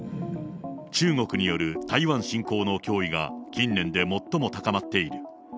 中国による台湾侵攻の脅威が近年で最も高まっている。